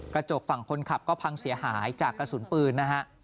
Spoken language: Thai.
กระจกฝั่งคนขับก็พังเสียหายจากกระสุนปืนนะฮะ